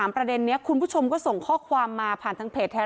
ประเด็นนี้คุณผู้ชมก็ส่งข้อความมาผ่านทางเพจแท้